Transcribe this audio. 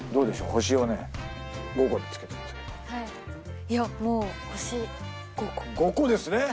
星をね５個でつけてますけどいやもう星５個５個ですね